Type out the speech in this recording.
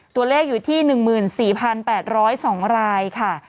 ตัวเลขอยู่ที่๑๔๘๐๒รายค่ะ